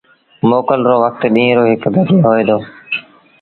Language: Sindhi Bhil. موڪل رو وکت ڏيٚݩهݩ رو هڪ بجي هوئي دو۔